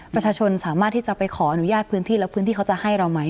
ประชาชนสามารถที่จะไปขออนุญาตพื้นที่แล้วพื้นที่เขาจะให้เราไหม